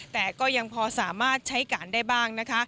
แต่ก็ยังพอสามารถใช้การได้บ้างนะคะ